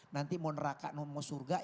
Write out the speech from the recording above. nanti mau neraka mau surga